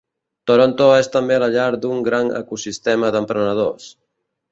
Toronto és també la llar d'un gran ecosistema d'emprenedors.